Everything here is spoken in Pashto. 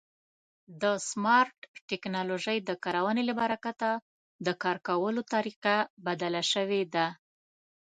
د سمارټ ټکنالوژۍ د کارونې له برکته د کار کولو طریقه بدله شوې ده.